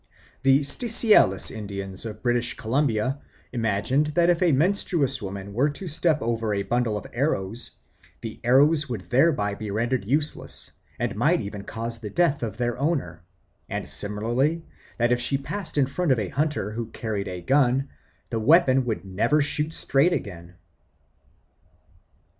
The Stseelis Indians of British Columbia imagined that if a menstruous woman were to step over a bundle of arrows, the arrows would thereby be rendered useless and might even cause the death of their owner; and similarly that if she passed in front of a hunter who carried a gun, the weapon would never shoot straight again.